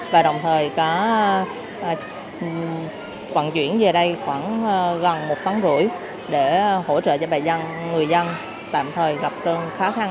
và đồng thời có vận chuyển về đây khoảng gần một tấn rưỡi để hỗ trợ cho bà dân người dân tạm thời gặp khó khăn